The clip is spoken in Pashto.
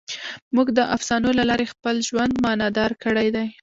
موږ د افسانو له لارې خپل ژوند معنیدار کړی دی.